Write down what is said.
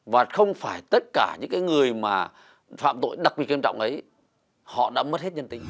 và không phải tất cả những người mà phạm tội đặc biệt kiêm trọng ấy họ đã mất hết nhân tình